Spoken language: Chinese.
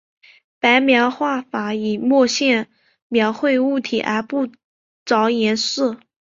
白描画法以墨线描绘物体而不着颜色。